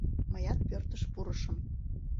Мыят пӧртыш пурышым.